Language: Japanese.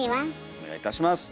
お願いいたします。